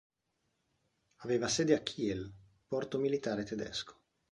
Aveva sede a Kiel, porto miliare tedesco.